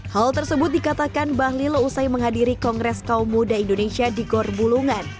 hal tersebut dikatakan bahlil usai menghadiri kongres kaum muda indonesia di gorbulungan